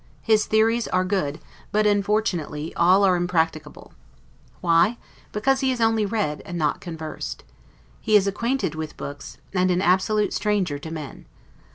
His theories are good, but, unfortunately, are all impracticable. Why? because he has only read and not conversed. He is acquainted with books, and an absolute stranger to men.